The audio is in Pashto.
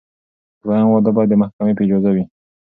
دویم واده باید د محکمې په اجازه وي.